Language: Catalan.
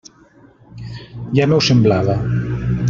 Ja m'ho semblava.